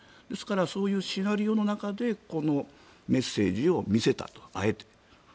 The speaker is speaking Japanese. ですからそういうシナリオの中でこのメッセージを見せたと、あえて。